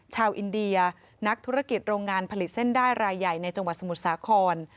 ชาวอินเดียนักธุรกิจโรงงานผลิตเส้นได้รายใหญ่ในจังหวัดสมุทรสาคร